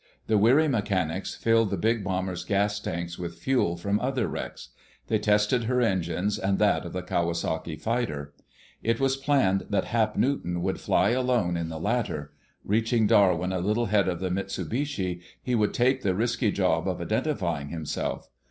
The weary mechanics filled the big bomber's gas tanks with fuel from other wrecks. They tested her engines and that of the Kawasaki fighter. It was planned that Hap Newton should fly alone in the latter. Reaching Darwin a little ahead of the Mitsubishi, he would take the risky job of identifying himself.